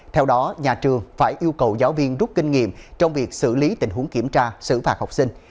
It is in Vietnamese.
theo đó nhà trường phải yêu cầu giáo viên rút kinh nghiệm trong việc xử lý tình huống kiểm tra xử phạt học sinh